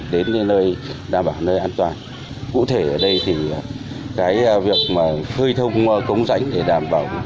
đến nơi đảm bảo nơi an toàn cụ thể ở đây thì cái việc mà khơi thông cống rãnh để đảm bảo